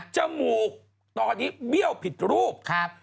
จมูกตอนนี้เบี้ยวผิดรูปครับ